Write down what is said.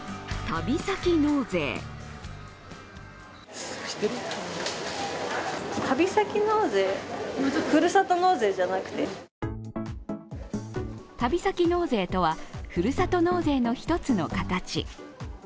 旅先納税とはふるさと納税の一つの形。